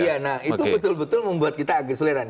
iya nah itu betul betul membuat kita agak sulitan